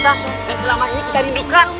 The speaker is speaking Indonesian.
dan selama ini kita rindukan